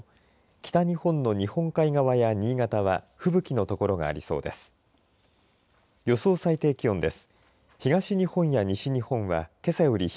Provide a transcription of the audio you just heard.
北日本の日本海側や新潟は吹雪の所がありそうです。